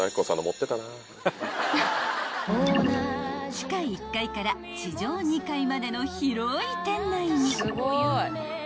［地下１階から地上２階までの広い店内に］